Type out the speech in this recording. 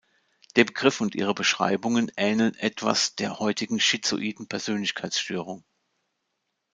Der Begriff und ihre Beschreibungen ähneln etwas der heutigen schizoiden Persönlichkeitsstörung.